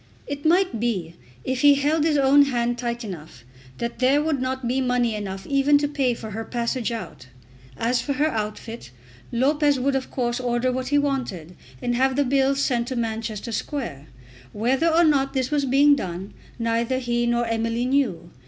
It might be, if he held his own hand tight enough, that there would not be money enough even to pay for her passage out. As for her outfit, Lopez would of course order what he wanted and have the bills sent to Manchester Square. Whether or not this was being done neither he nor Emily knew.